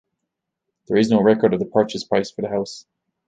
There is no record of the purchase price for the house.